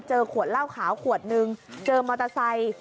ขวดเหล้าขาวขวดนึงเจอมอเตอร์ไซค์